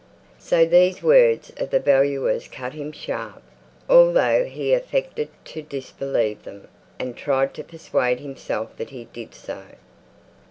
So these words of the valuers cut him sharp, although he affected to disbelieve them, and tried to persuade himself that he did so.